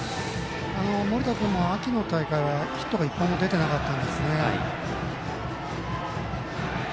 盛田君も秋の大会はヒットが１本も出てなかったんですね。